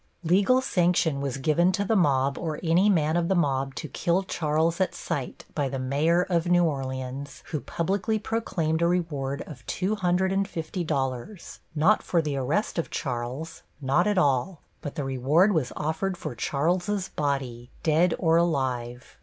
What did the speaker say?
Legal sanction was given to the mob or any man of the mob to kill Charles at sight by the Mayor of New Orleans, who publicly proclaimed a reward of two hundred and fifty dollars, not for the arrest of Charles, not at all, but the reward was offered for Charles's body, "dead or alive."